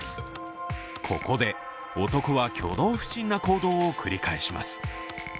ここで男は挙動不審な行動を繰り返します。